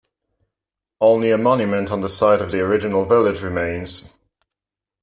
Only a monument on the site of the original village remains.